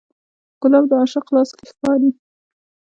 ګلاب د عاشق لاس کې ښکاري.